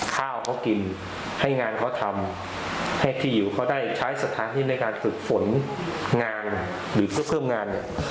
ข้าวเขากินให้งานเขาทำให้ที่อยู่เขาได้ใช้สถานที่ในการฝึกฝนงานหรือเพื่อเพิ่มงานเนี่ย